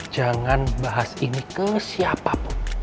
jangan bahas ini ke siapapun